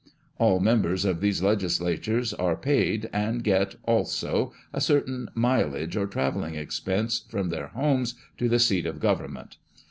All members of these legislatures are paid, and get, also, a certain mileage, or travelling expenses, from their homes to the seat ol government.